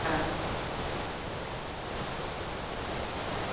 Hau da Donostiara doan autobusa?